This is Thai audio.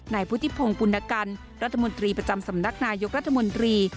นายพุทธิพงศ์ปุณกันรัฐมนตรีประจำสำนักนายกรัฐมนตรี